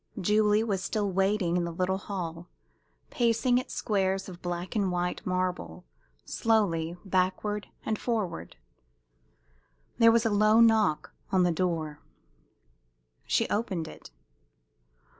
Julie was still waiting in the little hall, pacing its squares of black and white marble, slowly, backward and forward. There was a low knock on the door. She opened it.